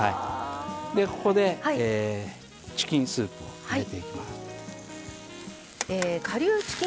ここでチキンスープを入れていきます。